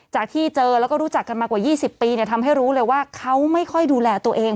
จากที่เจอแล้วก็รู้จักกันมากว่า๒๐ปีทำให้รู้เลยว่าเขาไม่ค่อยดูแลตัวเอง